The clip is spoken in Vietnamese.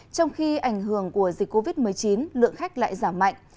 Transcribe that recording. trong khi ảnh hưởng của dịch covid một mươi chín lượng khách lại giảm mạnh